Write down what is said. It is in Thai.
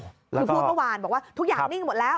คือพูดเมื่อวานบอกว่าทุกอย่างนิ่งหมดแล้ว